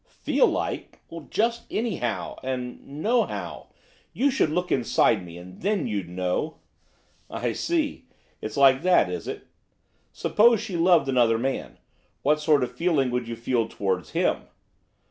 'Feel like? Just anyhow, and nohow. You should look inside me, and then you'd know.' 'I see. It's like that, is it? Suppose she loved another man, what sort of feeling would you feel towards him?